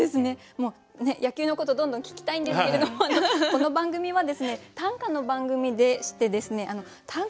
もう野球のことどんどん聞きたいんですけれどもこの番組はですね短歌の番組でしてですね短歌